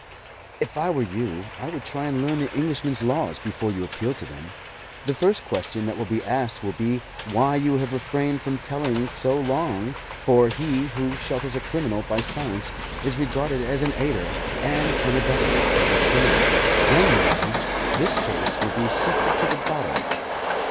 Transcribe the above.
"If I were you I would try and learn the Englishman's laws before you appeal to them. The first question that will be asked will be why you have refrained from telling so long, for he who shelters a criminal by silence is regarded as an aider and an abettor of that criminal. Then, man, this case will be sifted to the bottom.